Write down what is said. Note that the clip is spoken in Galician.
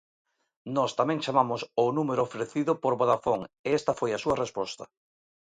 Nós tamén chamamos ao número ofrecido por Vodafone e esta foi a súa resposta.